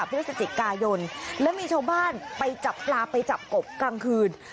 พฤศจิกายนแล้วมีชาวบ้านไปจับปลาไปจับกบกลางคืน